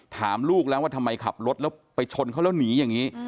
ถามลูกแล้วว่าทำไมขับรถแล้วไปชนเขาแล้วหนีอย่างนี้